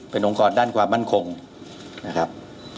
เป็นองค์กรด้านความมั่นคงนะครับ